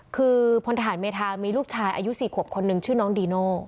คือพลทหารเมธามีลูกชายอายุ๔ขวบคนหนึ่งชื่อน้องดีโน่